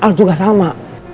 al juga sama